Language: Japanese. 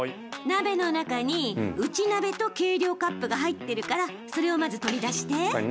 鍋の中に内鍋と軽量カップが入ってるからそれをまず取り出して。